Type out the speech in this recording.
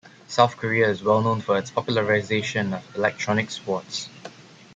South Korea is well known for its popularization of electronic sports.